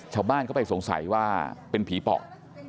ชาวบ้านเขาไปสงสัยว่าเป็นผีปอบ